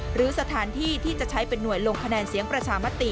หรือสถานที่ที่จะใช้เป็นหน่วยลงคะแนนเสียงประชามติ